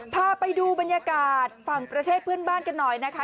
พาไปดูบรรยากาศฝั่งประเทศเพื่อนบ้านกันหน่อยนะคะ